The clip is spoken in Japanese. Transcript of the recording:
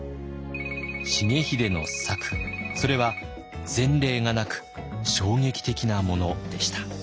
重秀の策それは前例がなく衝撃的なものでした。